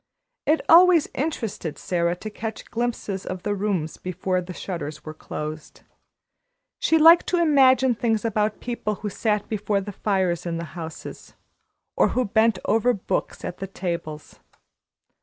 It always interested Sara to catch glimpses of the rooms before the shutters were closed. She liked to imagine things about people who sat before the fires in the houses, or who bent over books at the tables.